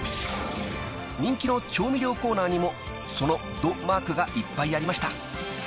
［人気の調味料コーナーにもその「ド」マークがいっぱいありました］